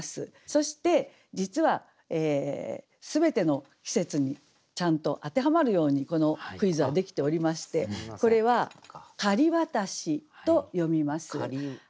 そして実は全ての季節にちゃんと当てはまるようにこのクイズはできておりましてこれは「雁渡し」と読みます。